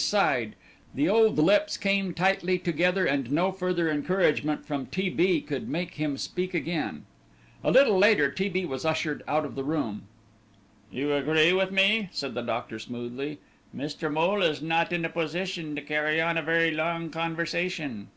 's side; the old lips came tightly together and no further encouragement from T. B. could make him speak again. A little later T. B. was ushered out of the room. "You agree with me," said the doctor smoothly, "Mr. Moole is not in a position to carry on a very long conversation."